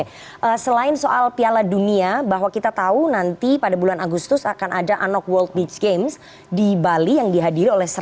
oke selain soal piala dunia bahwa kita tahu nanti pada bulan agustus akan ada anok world beach games di bali yang dihadiri oleh